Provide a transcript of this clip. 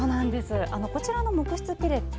こちらの木質ペレット